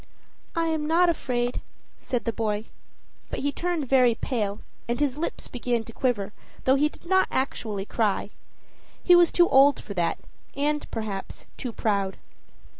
"I am not afraid," said the boy; but he turned very pale, and his lips began to quiver, though he did not actually cry he was too old for that, and, perhaps, too proud.